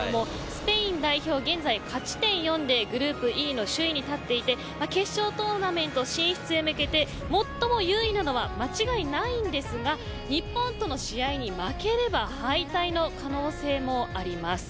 スペイン代表、現在勝ち点４でグループＥの首位に立っていて決勝トーナメント進出へ向けて最も優位なのは間違いないんですが日本との試合に負ければ敗退の可能性もあります。